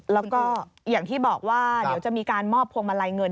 แล้วก็อย่างที่บอกว่าเดี๋ยวจะมีการมอบพวงมาลัยเงิน